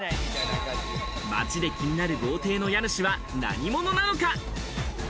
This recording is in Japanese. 街で気になる豪邸の家主は何者なのか？